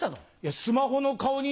スマホの顔認証